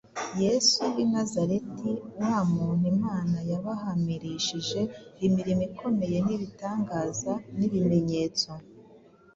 Yesu w’ i Nazareti wa muntu Imana yabahamirishije imirimo ikomeye n’ibitangaza n’ibimenyetso,